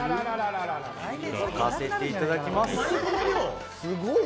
置かせていただきます。